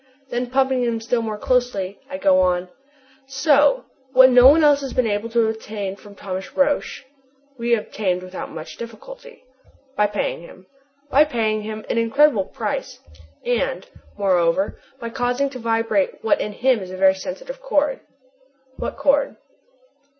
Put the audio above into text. Then pumping him still more closely, I go on: "So, what no one else has been able to obtain from Thomas Roch " "We obtained without much difficulty." "By paying him." "By paying him an incredible price and, moreover, by causing to vibrate what in him is a very sensitive chord." "What chord?"